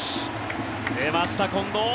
出ました、近藤。